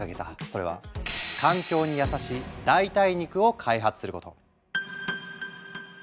それは環境に優しい代替肉を開発すること。